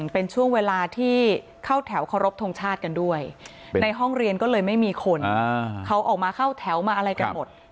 เป็นช่วงเวลาที่เข้าแถวเคารพทงชาติกันด้วยในห้องเรียนก็เลยไม่มีคนเขาออกมาเข้าแถวมาอะไรกันหมด